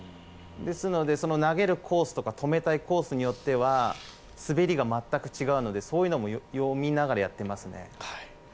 ですので、投げるコースとか止めたいコースによっては滑りが全く違うのでそういうのも読みながらやってますね。